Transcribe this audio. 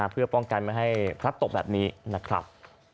เพื่อป้องกันไม่ให้พลัดตกแบบนี้นะครับ